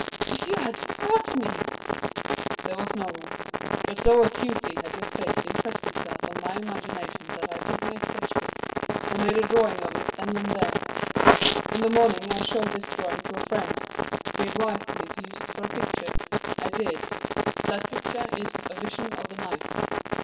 "If you had caught me!" "There was no one. But so acutely had your face impressed itself on my imagination that I took my sketch book, and made a drawing of it then and there. In the morning I showed this drawing to a friend. He advised me to use it for a picture I did. That picture is 'A Vision of the Night'!"